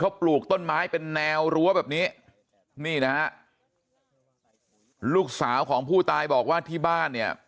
เขาปลูกต้นไม้เป็นแนวรั้วแบบนี้นี่นะฮะลูกสาวของผู้ตายบอกว่าที่บ้านเนี่ย